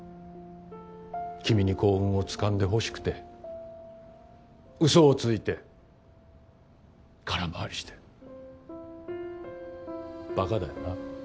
君に幸運を掴んでほしくて嘘をついて空回りして馬鹿だよな。